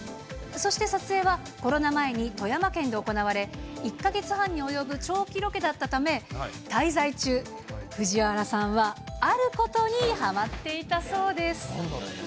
そして撮影は、コロナ前に富山県で行われ、１か月半に及ぶ長期ロケだったため、滞在中、藤原さんはあることにはまっていたそうです。